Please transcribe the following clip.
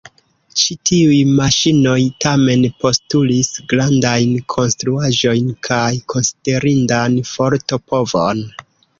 Ĉi tiuj maŝinoj tamen postulis grandajn konstruaĵojn kaj konsiderindan forto-povon.